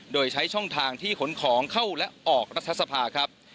โดยใช้ช่องทางที่ขนของเข้าและออกรัฐสภาครับ